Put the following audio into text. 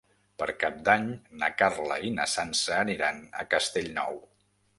Per Cap d'Any na Carla i na Sança aniran a Castellnou.